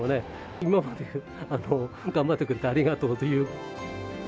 今まで頑張ってくれてありがとうという。